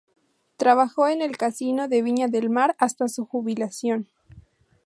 Trabajó en el Casino de Viña del Mar hasta su jubilación.